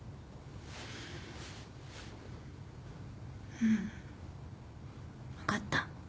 うん分かった。